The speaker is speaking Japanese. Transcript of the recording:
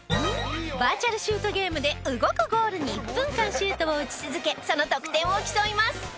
バーチャル・シュートゲームで動くゴールに１分間シュートを打ち続けその得点を競います！